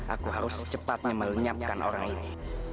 aku harus cepatnya melenyapkan orang ini